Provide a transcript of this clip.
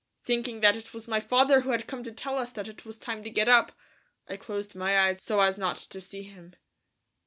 Thinking that it was my father who had come to tell us that it was time to get up, I closed my eyes so as not to see him.